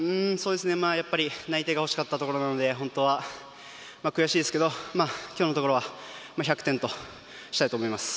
やっぱり内定がほしかったところなので本当は、悔しいですけども今日のところは１００点としたいと思います。